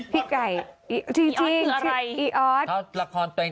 พี่ไก่จริงอีออสคืออะไร